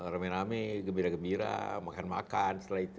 rame rame gembira gembira makan makan setelah itu